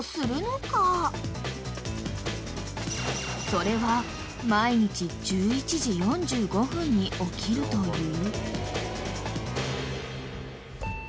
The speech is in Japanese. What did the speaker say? ［それは毎日１１時４５分に起きるという］